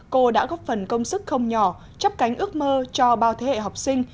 cô đã góp phần công sức không nhỏ chấp cánh ước mơ cho bao thế hệ học sinh